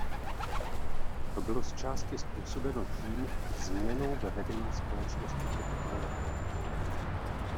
To bylo zčásti způsobeno tím změnou ve vedení společnosti Capitol Records.